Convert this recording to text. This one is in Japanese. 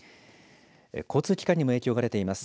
交通機関にも影響が出ています。